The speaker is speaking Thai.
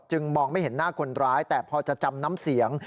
มองไม่เห็นหน้าคนร้ายแต่พอจะจำน้ำเสียง